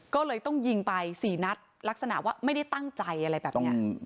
ก็เลยต้องยิงไป๔นัดลักษณะว่าไม่ได้ตั้งใจอะไรแบบนี้